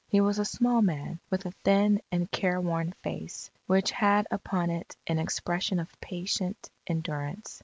He was a small man, with a thin and careworn face, which had upon it an expression of patient endurance.